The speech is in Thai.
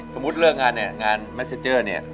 สมมุติงานการเมซเซ็จเจอร์เนี่ย